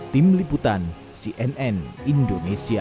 tim liputan cnn indonesia